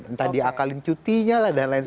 entah diakalin cutinya lah dan lain lain